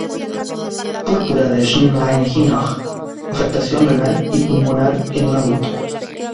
Púrpura de Schönlein-Henoch: afectación renal y pulmonar en un adulto.